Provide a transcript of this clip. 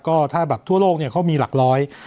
ก็ถ้าแบบทั่วโลกเนี่ยเขามีหลักร้อย